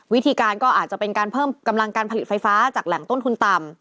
วิธีการก็อาจจะเป็นการเพิ่มกำลังการผลิตไฟฟ้าจากแหล่งต้นทุนต่ำ